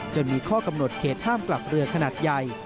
มีข้อกำหนดเขตห้ามกลับเรือขนาดใหญ่